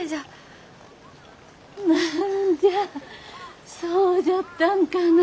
何じゃそうじゃったんかな。